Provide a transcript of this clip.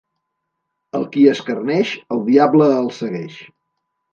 El qui escarneix, el diable el segueix.